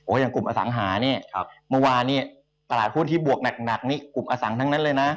อย่างกลุ่มอสังหาเนี่ยเมื่อวานนี้ตลาดหุ้นที่บวกหนักนี่กลุ่มอสังทั้งนั้นเลยนะ